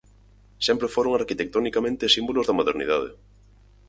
Sempre foron arquitectonicamente símbolos de modernidade.